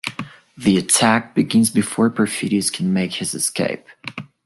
The attack begins before Perfidius can make his escape.